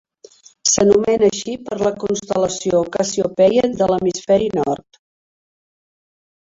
S'anomena així per la constel·lació Cassiopeia de l'hemisferi nord.